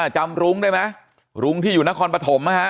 จำรุ้งได้ไหมรุ้งที่อยู่นครปฐมนะฮะ